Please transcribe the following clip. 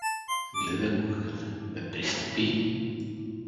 Гледай го какъв е… Бе пристъпи!